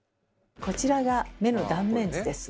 こちらが目の断面図です。